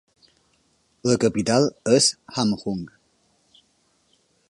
La capital és Hamhung.